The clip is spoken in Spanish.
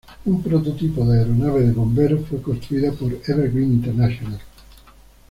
Un prototipo de aeronave de bomberos fue construida por Evergreen International.